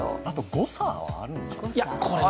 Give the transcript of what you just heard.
誤差もあるんですよ。